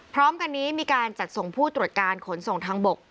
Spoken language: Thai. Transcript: พร้อมกันนี้มีการจัดส่งผู้ตรวจการขนส่งทางบก